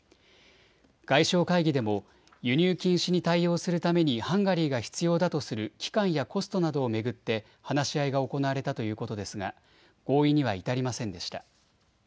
外相会議でも輸入禁止に対応するためにハンガリーが必要だとする期間やコストなどを巡って話し合いが行われたということですが合意には至りませんでした。